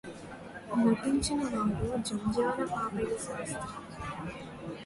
రచించినవారు Jandhyala Papayya Sastry